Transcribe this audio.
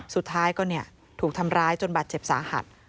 สุดท้ายก็ถูกทำร้ายจนบาดเจ็บสาหัส